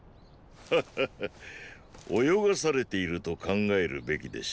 ハッハッハ泳がされていると考えるべきでしょう。